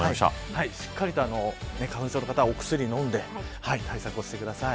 しっかりと花粉症の方はお薬飲んで対策をしてください。